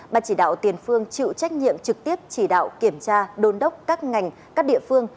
ban chỉ đạo tiền phương chịu trách nhiệm trực tiếp chỉ đạo kiểm tra đôn đốc các ngành các địa phương